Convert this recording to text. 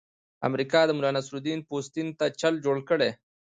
امریکا د ملانصرالدین پوستین ته چل جوړ کړی.